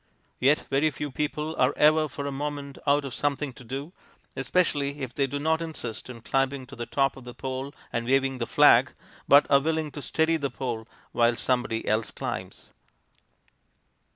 Yet very few people are ever for a moment out of something to do, especially if they do not insist on climbing to the top of the pole and waving the flag, but are willing to steady the pole while somebody else climbs.